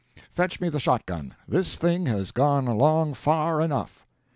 Fetch me the shotgun; this thing has gone along far enough."